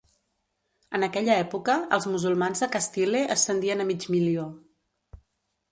En aquella època els musulmans a Castile ascendien a mig milió.